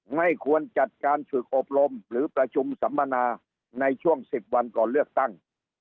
ไม่ควรจัดการฝึกอบรมหรือประชุมสัมมนาในช่วง๑๐วันก่อนเลือกตั้ง